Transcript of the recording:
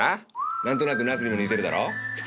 何となく茄子にも似てるだろ？